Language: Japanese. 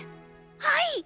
はい！